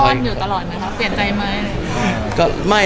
เปลี่ยนใจไหม